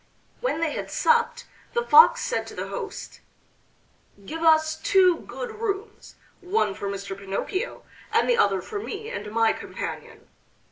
When they had supped the Fox said to the host: "Give us two good rooms, one for Mr. Pinocchio, and the other for me and my companion.